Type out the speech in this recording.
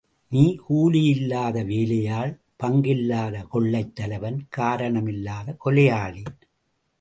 நீ கூலியில்லாத வேலையாள் பங்கில்லாத கொள்ளைத் தலைவன் காரண மில்லாத கொலையாளி.